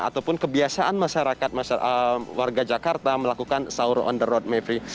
ataupun kebiasaan masyarakat warga jakarta melakukan sahur on the road mevri